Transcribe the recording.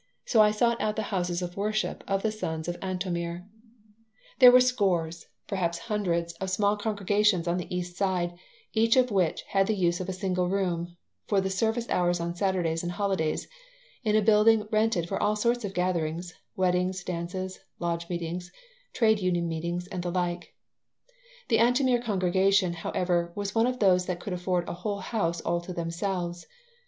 So I sought out the house of worship of the Sons of Antomir There were scores, perhaps hundreds, of small congregations on the East Side, each of which had the use of a single room, for the service hours on Saturdays and holidays, in a building rented for all sorts of gatherings weddings, dances, lodge meetings, trade union meetings, and the like. The Antomir congregation, however, was one of those that could afford a whole house all to themselves.